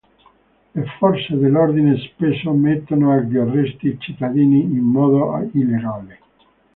Le forze dell'ordine spesso mettono agli arresti cittadini in modo illegale.